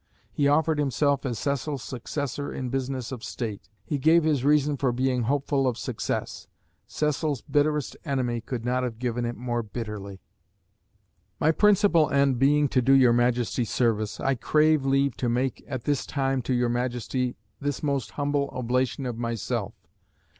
He offered himself as Cecil's successor in business of State. He gave his reason for being hopeful of success. Cecil's bitterest enemy could not have given it more bitterly. "My principal end being to do your Majesty service, I crave leave to make at this time to your Majesty this most humble oblation of myself.